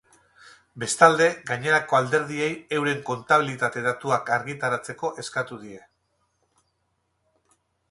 Bestalde, gainerako alderdiei euren kontabilitate datuak argitaratzeko eskatu die.